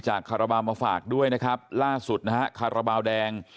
จากคาราบาลมาฝากด้วยล่าสุดคาราบาลแดง